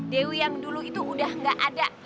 dewi yang dulu itu udah gak ada